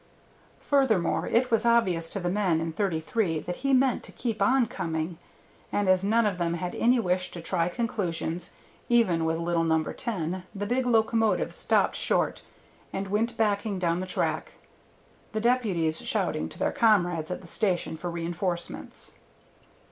Furthermore it was obvious to the men in 33 that he meant to keep on coming, and as none of them had any wish to try conclusions, even with little No. 10, the big locomotive stopped short and went backing down the track, the deputies shouting to their comrades at the station for reenforcements.